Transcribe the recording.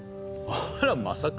あらまさか。